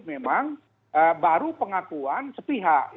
memang baru pengakuan sepihak